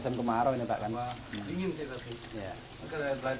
ya mungkin karena memang